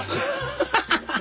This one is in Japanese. ハハハハ！